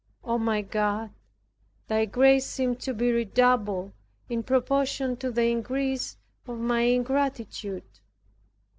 O my God, thy grace seemed to be redoubled in proportion to the increase of my ingratitude!